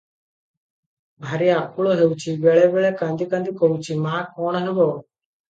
"ଭାରି ଆକୁଳ ହେଉଛି, ବେଳେ ବେଳେ କାନ୍ଦି କାନ୍ଦି କହୁଛି, ମା!କଣ ହେବ?